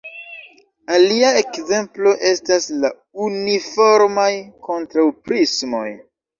Alia ekzemplo estas la uniformaj kontraŭprismoj.